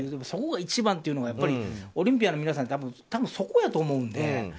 そこが一番というのがやっぱりオリンピアンの皆さん多分、そこやと思うんで。